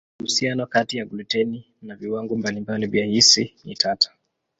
Uhusiano kati ya gluteni na viwango mbalimbali vya hisi ni tata.